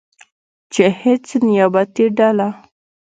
چې هیڅ نیابتي ډله